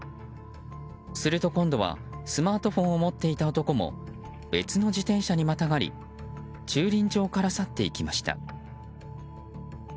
すると、今度はスマートフォンを持っていた男も別の自転車にまたがり駐輪場から去っていきました。